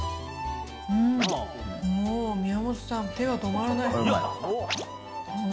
うーん、もう宮本さん、手が止まらない。